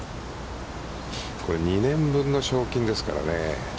２年分の賞金ですからね。